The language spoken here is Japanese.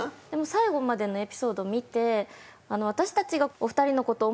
最後までのエピソード見て。